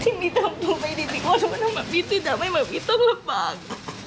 ที่มีต้องถูกไปดีว่าถ้ามันทำแบบนี้สิแต่ไม่เหมือนมีต้องระบาก